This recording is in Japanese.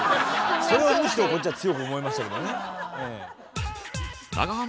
それをむしろこっちは強く思いましたけどね。